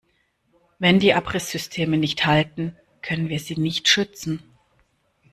Wenn die Abrisssysteme nicht halten, können wir sie nicht schützen.